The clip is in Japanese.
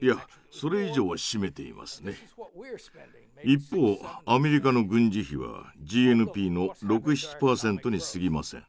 一方アメリカの軍事費はＧＮＰの６７％にすぎません。